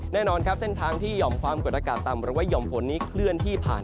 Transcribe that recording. แน่นอนครับเส้นทางที่หย่อมความกดอากาศต่ำหรือว่าหย่อมฝนนี้เคลื่อนที่ผ่าน